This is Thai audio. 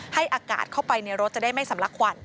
ให้อากาศเข้าไปในรถจะได้ไม่สำลักควัน